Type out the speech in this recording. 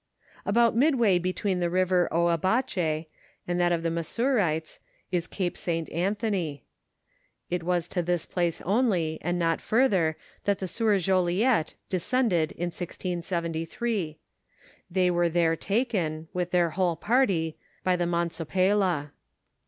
About midway between the river Oiiabache and that of the Massourites is Cape St. Anthony. It was to this place only and not further that the sieur Joliet descended in 1673 ; they were there taken, with their whole party, by the Mansopela.